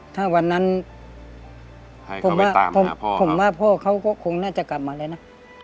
ถ้าวันนั้นผมว่าพ่อเขาก็คงน่าจะกลับมาแล้วนะ